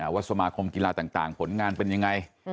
สมาคมกีฬาต่างผลงานเป็นยังไง